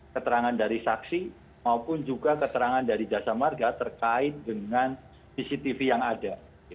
keterangan dari saksi maupun juga keterangan dari jasa marga terkait dengan cctv yang ada